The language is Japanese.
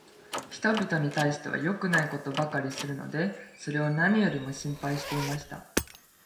人びとに対しては良くないことばかりするので、それを何よりも心配していました。